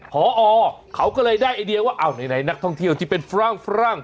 พอเขาก็เลยได้ไอเดียว่าอ้าวไหนนักท่องเที่ยวที่เป็นฝรั่ง